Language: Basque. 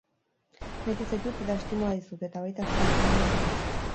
Maite zaitut eta estimua dizut, eta baita zure familia ere.